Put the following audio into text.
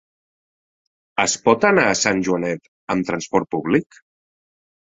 Es pot anar a Sant Joanet amb transport públic?